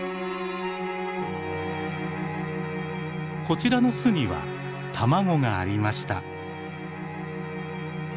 こちらの巣には卵がありました。